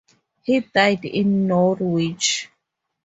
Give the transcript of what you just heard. He died in Norwich.